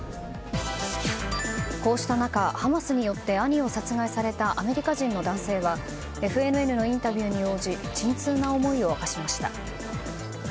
こうした中、ハマスによって兄を殺害されたアメリカ人の男性はＦＮＮのインタビューに応じ沈痛な思いを明かしました。